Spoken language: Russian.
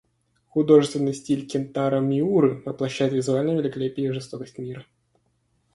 Художественный стиль Кентаро Миуры воплощает визуальное великолепие и жестокость мира.